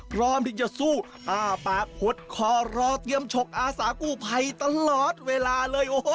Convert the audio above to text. พร้อมที่จะสู้อ้าปากหดคอรอเตรียมฉกอาสากู้ภัยตลอดเวลาเลย